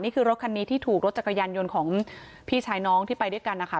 รถคันนี้ที่ถูกรถจักรยานยนต์ของพี่ชายน้องที่ไปด้วยกันนะคะ